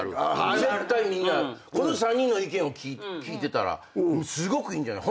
絶対みんなこの３人の意見を聞いてたらすごくいいんじゃない。